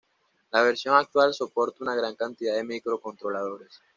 La versión actual soporta una gran cantidad de microcontroladores.